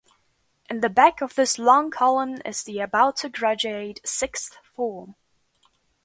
In the back of this long column is the about-to-graduate Sixth Form.